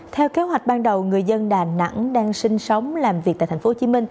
theo kế hoạch ban đầu người dân đà nẵng đang sinh sống làm việc tại tp hcm